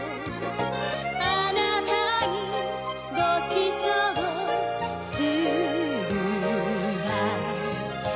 あなたにごちそうするわ